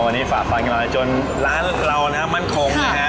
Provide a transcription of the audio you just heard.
วันนี้ฝากฟันกับเธอแล้วจนร้านเรียกของเรานะมั่นคงนะฮะ